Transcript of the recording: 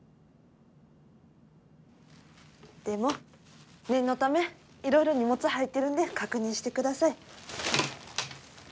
でも念のためいろいろ荷物入ってるんで確認してください。